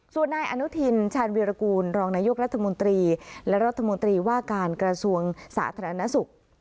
ส่วนนายอนุทินชาญวิรากูลรองนายกรัฐมนตรีและรัฐมนตรีว่าการกระทรวงสาธารณสุข